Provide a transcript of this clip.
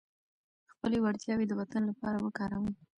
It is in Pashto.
خپلې وړتیاوې د وطن لپاره وکاروئ.